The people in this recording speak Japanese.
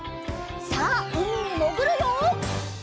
さあうみにもぐるよ！